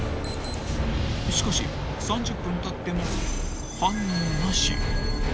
［しかし３０分たっても反応なし］